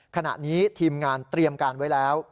ขณะนี้ทีมงานเตรียมการไว้แล้ว